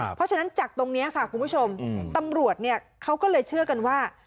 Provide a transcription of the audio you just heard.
เพราะฉะนั้นจากตรงนี้ค่ะคุณผู้ชมตำรวจเนี่ยเขาก็เลยเชื่อกันว่า